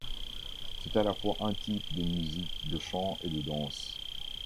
C'est à la fois un type de musique, de chant et de danse.